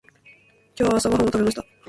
今日朝ごはんを食べました。